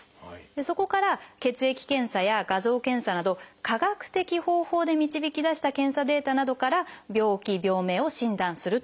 そこから血液検査や画像検査など科学的方法で導き出した検査データなどから病気・病名を診断するというものなんです。